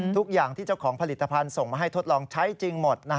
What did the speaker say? ทุกอย่างที่เจ้าของผลิตภัณฑ์ส่งมาให้ทดลองใช้จริงหมด